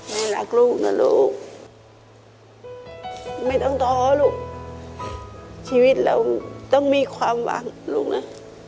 ลูกรักลูกนะลูกไม่ต้องท้อลูกชีวิตเราต้องมีความหวังลูกนะ